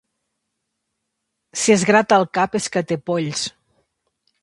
Si es grata el cap és que té polls.